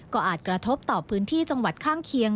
ก็อาจกระทบต่อพื้นที่จังหวัดข้างเคียง